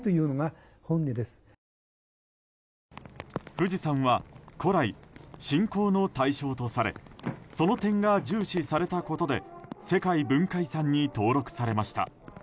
富士山は古来信仰の対象とされその点が重視されたことで世界文化遺産に登録されました。